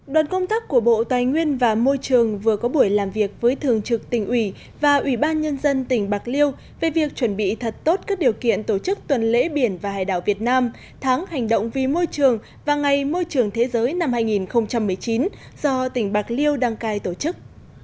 đoàn công tác của bộ tài nguyên và môi trường vừa có buổi làm việc với thường trực tỉnh ủy và ủy ban nhân dân tỉnh bạc liêu về việc chuẩn bị thật tốt các điều kiện tổ chức tuần lễ biển và hải đảo việt nam tháng hành động vì môi trường và ngày môi trường thế giới năm hai nghìn một mươi chín do tỉnh bạc liêu đăng cai tổ chức